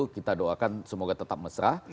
kita doakan semoga tetap mesra